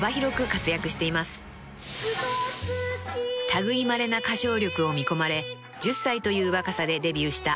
［類いまれな歌唱力を見込まれ１０歳という若さでデビューした］